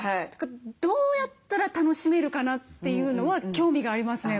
どうやったら楽しめるかなというのは興味がありますね。